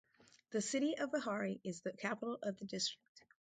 The city of Vehari is the capital of the district.